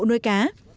các hộ nuôi cá